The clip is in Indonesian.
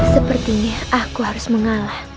sepertinya aku harus mengalah